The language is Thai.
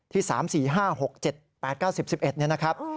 ที่๓๔๕๖๗๘๙๑๐๑๑นี่นะครับ